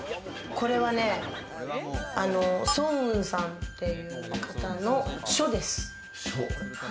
これはね、双雲さんっていう方の書です。